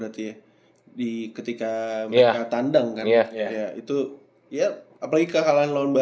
jadi kayak dua lawan lima